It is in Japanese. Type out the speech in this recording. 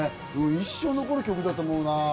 一生残る曲だと思うな。